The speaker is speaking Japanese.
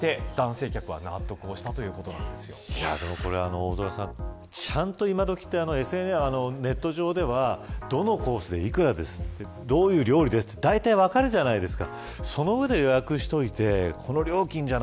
大空さん、今どきってネット上ではどのコースで幾らですってどういう料理ですと、だいたい分かるじゃないですか。